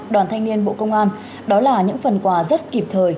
đoàn thanh niên bộ công an đó là những phần quà rất kịp thời